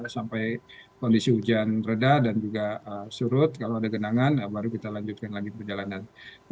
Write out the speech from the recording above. sampai kondisi hujan reda dan juga surut kalau ada genangan baru kita lanjutkan lagi perjalanan